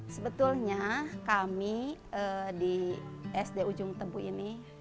sebetulnya kami di sd ujung tebu ini